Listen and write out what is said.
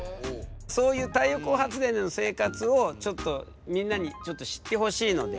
そういう太陽光発電での生活をみんなにちょっと知ってほしいので。